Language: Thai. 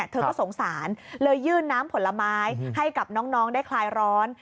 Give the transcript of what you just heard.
เธอก็สงสารเลยยื่นน้ำผลไม้ให้กับน้องได้คลายร้อน